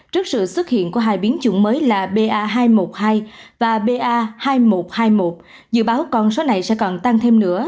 trước sự xuất hiện của hai biến chủng mới là ba hai trăm một mươi hai và ba nghìn một trăm hai mươi một dự báo con số này sẽ còn tăng thêm nữa